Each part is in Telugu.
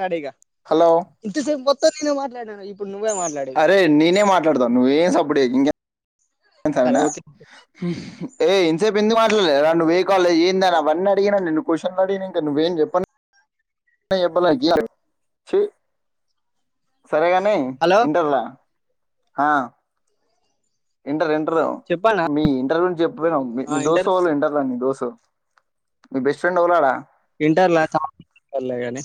నాడీగా హలో ఇంతసేపు మ సో నేను మాట్లాడ్నానా ఇప్పుడు నువ్వే మాట్లాడు ఇగ అరే నేనే మాట్లాడతాన్ నువ్వేం సప్ పూడే ఇంగ్య ఏం సరే కారణ ఓకే ఏ ఇంసేపు ఎందుక్ మాట్లాడలేద్ రా నువ్వు ఏ కాలేజ్ ఎందని సరే అవన్నీ అడిగిన నిన్ను క్యూషన్లు అడిగినంక నువ్వేం [unintelligible] చి సరేగానీ హలో ఇంటర్లా హా ఇంటర్ ఇన్ టర్ చెప్పన్నా మీ ఇంటర్ గుంరించ్ చెప్లే నాక్ మీ మీ దోస్త్ గోల్ ఇంటర్ [unintelligible] దోస్ మీ బెస్ట్ ఫ్రెండ్ యొవ్లడ ఇంటర్లా [unintelligible] గానీ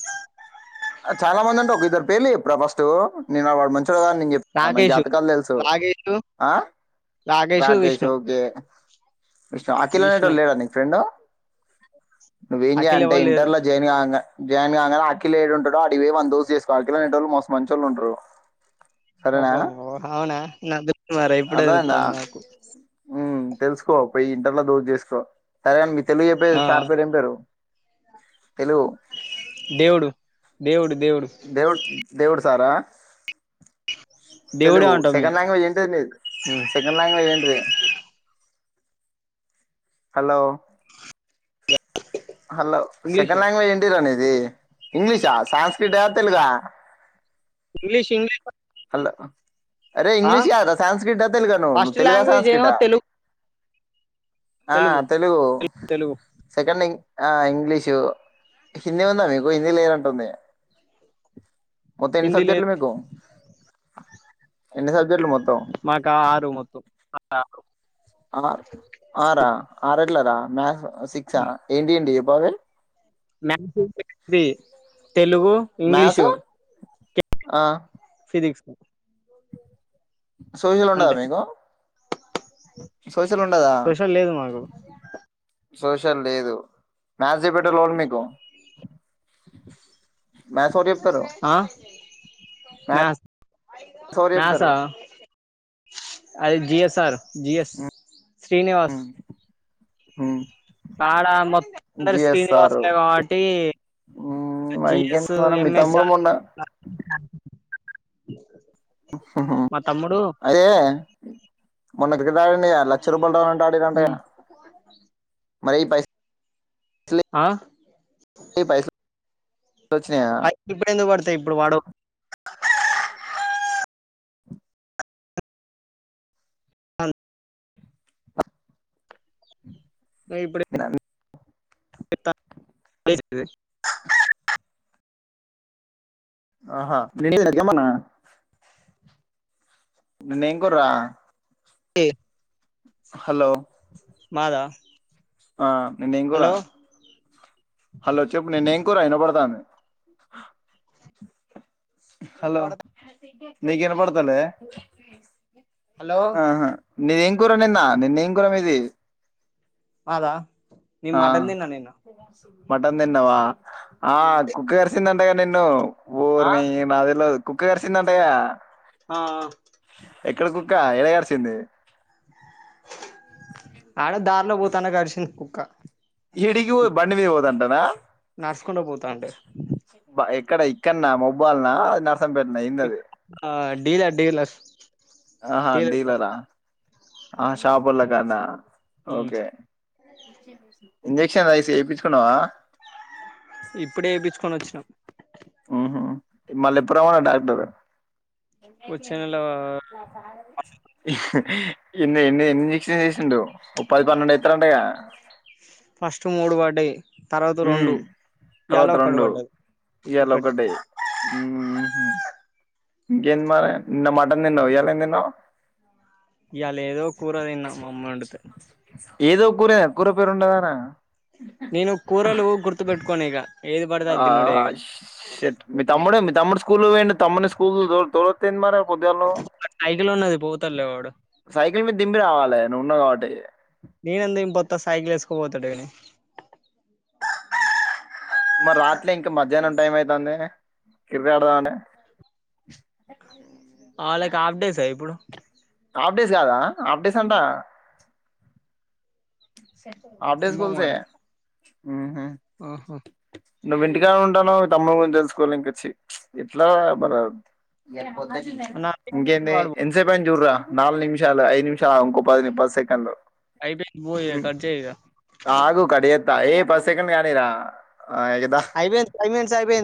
ఆ చాలా మందుంటారు ఒక ఇద్దరు పేర్లు ఎప్పు రా ఫస్ట్ నీలా వాడ్ మంచ్ చ్ గాద నేన్ జెప్తాన్న నాకు రాకేష్ జాతకాలు తెలుసు రాకేష్ ఆ రాకేష్ ఓకే విష్ణ అఖిల్ విష్ణు అనేటోలేడా నీక్ ఫ్రెండ్ నువ్వేం అఖిల్ జేయంటే ఎవరు లేరు ఇంటర్లో జాయిన్ గంగా జాయిన్ గంగనే అకిలే డుంటాడు ల అటికి పోయ్ వాన్ దోస్త్ చేస్కో అఖిల్ అనేటోళ్లు మస్త్ మంచోళ్ళుంటారు బ బ బ బా అవునా నక్దేల్ద్ మరె ఇప్పుడే తేల్తంద్ నాకు తెల్సుకో పోయి ఇంటర్లో దోస్త్ చేసుకో సరే మీ తెలుగు చెప్పేరు ఆ సార్ పేరు ఏం పేరు తెలుగు దేవుడు దేవుడు దేవుడు దేవుడ్ దేవుడు సారా దేవుడే తెలుగు అంటాం మేము సెకండ్ లాంగ్వేజ్ ఏంటిద్ నిద్ సెకండ్ లాంగ్వేజ్ ఏంటిది hello hello English second language ఏంటి రా నీద్ రే ఇంగ్లీషా సాస్క్రిట్ తెలుగ ఇంగ్లీష్ ఇంగ్లీష్ లా అరే ఆ ఇంగ్లిష్ కాద్ రా సాస్క్రిట్ ఆ తెలుగు ఆ ను ఫస్ట్ తెలుగ ఆ లాంగ్వేజ్ సంస్క్రిట్ ఏమో ఆ తెలుగు ఆ తెలుగు తెలుగు సెకెండ్ ఇంగ్ ఆ ఇంగ్లీషు హిందీ ఉందా మీకు హిందీ లేనటుంది మొత్తం ఎన్ని హిందీ లేదు సబ్జెక్ట్లు మీకు ఎన్ని సబ్జెక్ట్లు మొత్ మాకా ఆరు మొత్తం. ఆరు ఆర్ ఆరా ఆరె ట్లరా మ్యాసు సిక్సా ఏంటి ఏంటి జెప్ [unintelligible] మ్యాసు [unintelligible] ది తెలుగు ఇంగ్లీషు. అ. [unintelligible] సోషలుండదా అంతే మీకు. సోషలుండదా. సోషల్ లేదు మాకు సోషల్ లేదు మ్యాసు [unintelligible] ఓర్ మీకు మ్యాసెవర్ జెప్తారు మా. మ్యాస అదె జియస్సార్ జియస్ శ్రీనివాస్. ఉమ్ ఆడ మొత్తం [unintelligible] సారు శ్రీనివాసులే కావట్టీ మరి ఇంకేంటి జిఎస్సు మరి మీ ఎమ్మెస్ తమ్ముడు మొన్న [unintelligible] తమ్ముడు అదే. మన క్రికెటాడిండు గా లక్ష రూపాయ్లు డౌన్ంట ఆడిర్రంట గా. మరీ పైస్ అ పైసలు వచ్చినాయా అయ్ ఇప్పుడెందుకు పడ్తాయ్ ఇబ్బుడు పడవ్. అన్ గ ఇబ్బుడె [unintelligible] ఆహా [unintelligible] ఏమన్న నిన్నేం కూర. ఎ హలో ఆ నిన్న ఎంగూరా హలో హలో చెప్పు నేను ఏం కూ ర అయిన పడతాను హలో నీకేన్ పడుతలే హలో నేను ఏం కూూర నిన్న నిన్న ఏం కూరం ఇది అదా ని మాటంద నే ననేను మటన్ తెన్నవా ఆ కుక్క కర్సిందన్న అంతగా నేన్నను ఆ ఊరు న నాలా కుకు కరిసిందంటయా ఆ ఎక్కడి కుక్క ఎడగరిసింది ఆడ దారిలో పోతాను కరిసింది కుక్క హిడిగి బండివి హోదంటానా నడుచకుండా పోతాంటే ఇక్కడ ఇక్కన్నా మొబైల్ నా పెట్న ఇన్నది ఢీలా డీలాస్ ఆహా డీలరా ఆ ాబలగాదా ఉమ్ ఓకే ఇంజెక్షన్సి చేయించుకున్నావా ఇప్పుడే ఏపిచ్చుకొని వచ్చినాం మల్లెపురమనా డాక్టర్ ఎతే వచ్చే నెల ఇన్న ఎ ఎన్ని జిక్షన్ చేసిండ ముప్పది పన్నెడు ఎత్ర అండగా అడే ఉ తర్వాత రెండు పడ్డది ఇవాళ ఒక్కటి ఒకటి ఉ ఇంకేంది మరి నిన్న మటన్ తిన్నావు ఎలా ఏమి తిన్నాోవు ఇళ ఏదో కూర తిన్న మా అమ్మ ఉండితే ఏదో కూర కూర పేరుండదనా నేను కూరలు గుర్తు పెట్టుకోని ఇక ఆ షట్ మీ తమ్ముడే మీ తమ్ముడు స్కూల్కోయుండు తమ్ముని స్కూల్ కు తొ తొక్కపోయిండు పోదను సైకిల్ ఉన్నది పోతడులే వాడు సైకిల్ మీద్ ఇంప్ నే రావాలే నువ్వున్నావు కాబట్టి నేనెందుకు పొత్త సైకిల్ వేసుకో పోతడుగాని మరి రాత్రి ఇంకా మధ్యాహ్నం టైం అయితంది కిర్కెట్ ఆడదామని ఆ లక్ హాఫ్ డేస్ ఆ ఇప్పుడు ఆప్డేస్ కాదా ఆప్డేస్ అంటా అప్డేస్ ఏమో స్కూల్స్ ఏ మరి ఆహా నువ్వు ఇంటికానే ఉంటానో మీ తమ్ముని గురించి తెలుసుకోవాలి ఇంక చ్చి ఇట్లా మ నాది ఇంకేంది ఎన్సేపైది జుడ్ర నాలుగు నిమిషాలు ఐదు నిమిషాలు ఇంకో పది పది సెకండ్లు అయిపోయింది పో ఇగ ఉమ్ కట్ చేయి ఇగ అగు కడియేత్తా యే ఒక సెకండ్ కానీరా ఆ ఎగదా అయిపోయింది ఫైవ్ మినిట్స్ అయిపోయింది